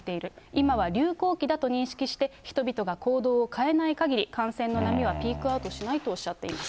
今は流行期だと認識して、人々が行動を変えないかぎり、感染の波はピークアウトしないとおっしゃっています。